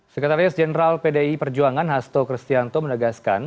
sekretaris jenderal pdi perjuangan hasto kristianto menegaskan